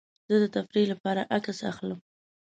زه د تفریح لپاره عکس اخلم.